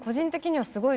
はい。